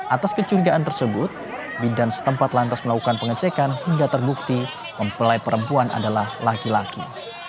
atas kecurigaan tersebut bidan setempat lantas melakukan pengecekan hingga terbukti mempelai perempuan adalah laki laki